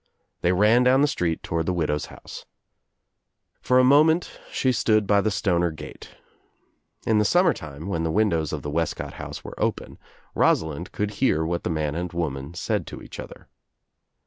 They ran down the street toward the widow's house. For a moment she stood by the Stoner gate. In the summer time when .the windows of the Wescott house were open Rosalind l82 THE TRIUMPH OF THE EGG could hear what the man and woman said to each other.